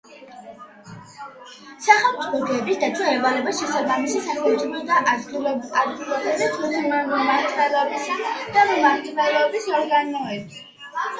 სახელმწიფო გერბის დაცვა ევალებათ შესაბამისი სახელმწიფო და ადგილობრივი თვითმმართველობისა და მმართველობის ორგანოებს.